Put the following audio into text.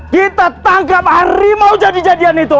kita tangkap harimau jadi jadian itu